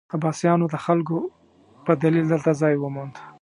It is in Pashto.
عباسیانو د خلکو په دلیل دلته ځای وموند.